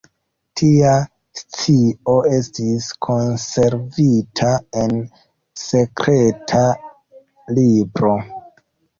Tia scio estis konservita en sekreta libro.